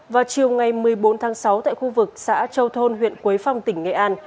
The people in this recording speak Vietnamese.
vào chiều ngày một mươi bốn tháng sáu tại khu vực xã châu thôn huyện quế phong tỉnh nghệ an